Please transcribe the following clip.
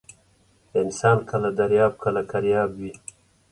انسان کله درياب ، کله کرياب وى.